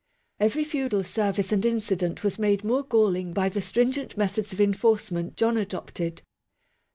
Every feudal service and incident was made more galling by the stringent methods of enforcement John adopted.